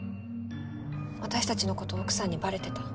私たちのこと奥さんにバレてた。